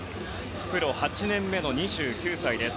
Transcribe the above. プロ８年目の２９歳です。